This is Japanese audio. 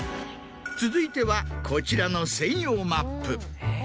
続いてはこちらの専用マップ。